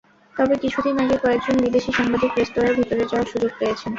তবে কিছুদিন আগে কয়েকজন বিদেশি সাংবাদিক রেস্তোরাঁর ভেতরে যাওয়ার সুযোগ পেয়েছেন।